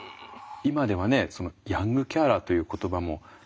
今ではねヤングケアラーという言葉も注目されてますけれど。